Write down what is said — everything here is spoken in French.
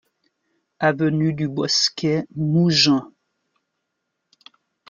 Avenue du Bosquet, Mougins